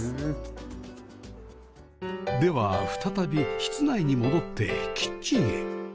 では再び室内に戻ってキッチンへ